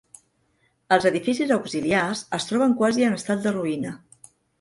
Els edificis auxiliars es troben quasi en estat de ruïna.